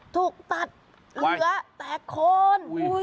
ถูกตัดเหลือแต่โคน